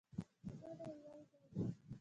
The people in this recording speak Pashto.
په ګډه او یوځای.